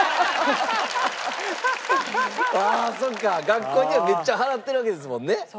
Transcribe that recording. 学校にはめっちゃ払ってるわけですもんね。